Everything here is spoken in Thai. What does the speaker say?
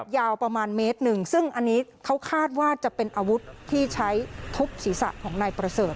ยาวประมาณเมตรหนึ่งซึ่งอันนี้เขาคาดว่าจะเป็นอาวุธที่ใช้ทุบศีรษะของนายประเสริฐ